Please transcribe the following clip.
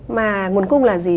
mà nguồn cung là gì